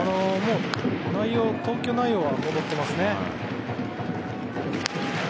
投球内容は戻ってますね。